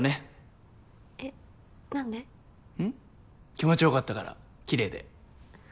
気持ちよかったからきれいで。